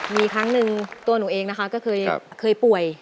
มีครั้งหนึ่งตัวหนูเองนะคะก็เคยป่วย